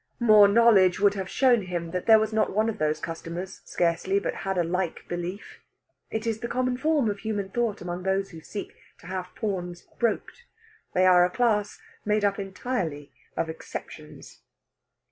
More knowledge would have shown him that there was not one of those customers, scarcely, but had a like belief. It is the common form of human thought among those who seek to have pawns broked. They are a class made up entirely of exceptions.